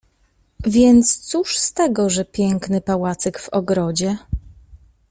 Więc cóż z tego, że piękny pałacyk w ogrodzie?